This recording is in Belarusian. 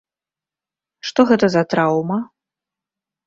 Што гэта за траўма?